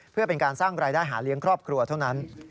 เพื่อเป็นการสร้างรายได้หาเลี้ยงครอบครัวเท่านั้น